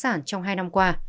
và phá sản trong hai năm qua